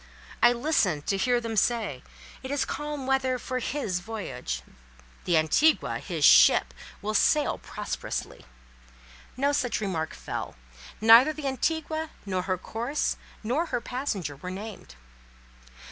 I listened to hear them say, "It is calm weather for his voyage; the Antigua" (his ship) "will sail prosperously." No such remark fell; neither the Antigua, nor her course, nor her passenger were named.